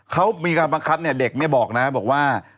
เขามีการบังคับเนี่ยเด็กเนี่ยบอกนะบอกว่า